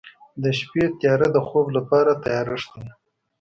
د شپې تیاره د خوب لپاره تیارښت دی.